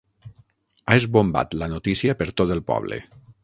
Ha esbombat la notícia per tot el poble.